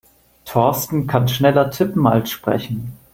Thorsten kann schneller tippen als sprechen.